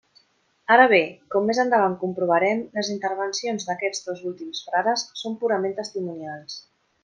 Ara bé, com més endavant comprovarem, les intervencions d'aquests dos últims frares són purament testimonials.